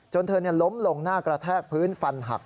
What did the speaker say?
เธอล้มลงหน้ากระแทกพื้นฟันหัก